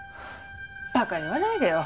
バカ言わないでよ。